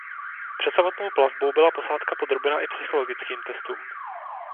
Před samotnou plavbou byla posádka podrobena i psychologickým testům.